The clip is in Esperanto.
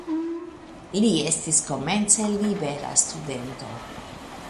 Li estis komence libera studento.